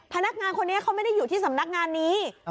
พนักงานคนนี้เขาไม่ได้อยู่ที่สำนักงานนี้